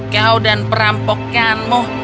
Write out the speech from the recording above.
kau dan perampokanmu